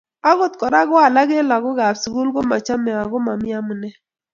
Agot Kora ko alak eng lagokab sukul komochomei ago Mami amune